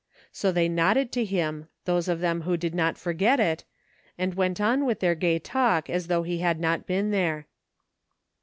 So they nodded to him, those of them who did not forget it, and went on with their gay talk as though he had not been there.